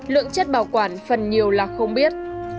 lượng chất bảo quản phần nhiều là không biết